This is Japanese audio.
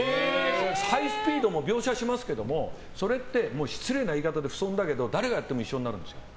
ハイスピードも描写しますけども失礼な言い方で不遜だけど誰がやっても一緒になるんですよ。